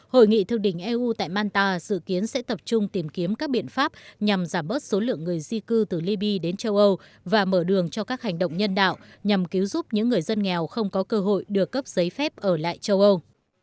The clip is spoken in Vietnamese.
hội nghị thượng đỉnh eu tại manta dự kiến sẽ tập trung tìm kiếm các biện pháp nhằm giảm bớt số lượng người di cư từ libya đến châu âu và mở đường cho các hành động nhân đạo nhằm cứu giúp những người dân nghèo không có cơ hội được cấp giấy phép ở lại châu âu